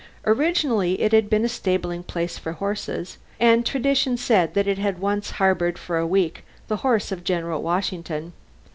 Originally it had been a stabling place for horses; and tradition said that it had once harbored for a week the horse of General Washington.